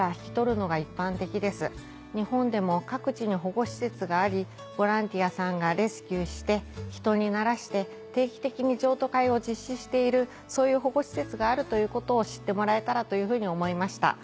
日本でも各地に保護施設がありボランティアさんがレスキューして人にならして定期的に譲渡会を実施しているそういう保護施設があることを知ってもらえたらと思いました。